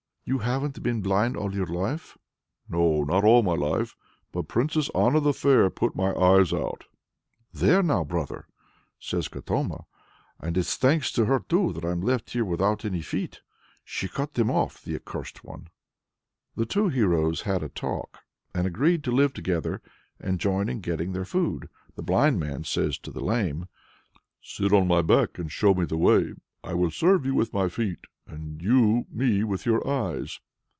"You haven't been blind all your life?" "No, not all my life; but Princess Anna the Fair put my eyes out!" "There now, brother!" says Katoma; "and it's thanks to her, too, that I'm left here without any feet. She cut them both off, the accursed one!" The two heroes had a talk, and agreed to live together, and join in getting their food. The blind man says to the lame: "Sit on my back and show me the way; I will serve you with my feet, and you me with your eyes."